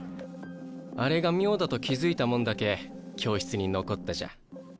あれが妙だと気付いた者だけ教室に残ったじゃ。